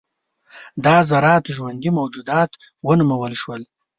دا ذرات ژوندي موجودات ونومول شول.